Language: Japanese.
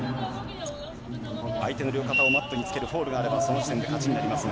相手の両肩をマットにつけるフォールがあればその時点で勝ちになりますが。